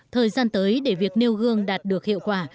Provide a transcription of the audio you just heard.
thời gian tới để việc nêu gương đạt được hiệu quả